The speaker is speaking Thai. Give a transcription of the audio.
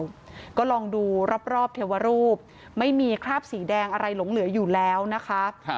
ก็ลองดูรอบเทวรูปไม่มีคราบสีแดงอะไรหลงเหลืออยู่แล้วนะคะ